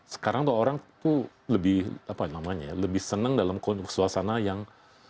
sekarang tuh orang tuh lebih apa namanya ya lebih senang dalam suasana yang